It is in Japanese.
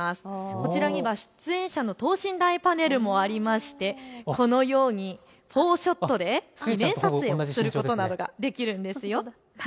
こちらには出演者の等身大パネルもありましてこのように４ショットで記念撮影することなどができるんです。